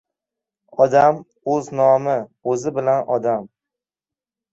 Odam o‘z nomi o‘zi bilan odam.